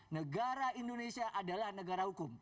negara indonesia adalah negara hukum